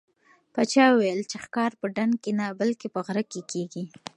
پاچا وویل چې ښکار په ډنډ کې نه بلکې په غره کې کېږي.